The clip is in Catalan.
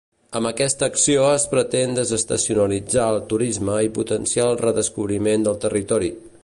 Amb aquesta acció es pretén desestacionalitzar el turisme i potenciar el redescobriment del territori.